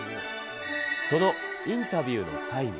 そのインタビューの際に。